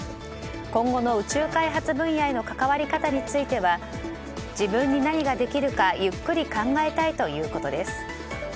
今後の宇宙開発分野への関わり方については自分に何ができるかゆっくり考えたいということです。